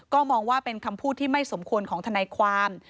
ก็มองว่าเป็นคำพูดที่ไม่สมควรของทนายความ